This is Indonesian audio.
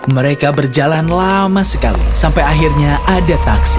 mereka berjalan lama sekali sampai akhirnya ada taksi